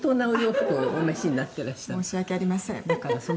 「申し訳ありません」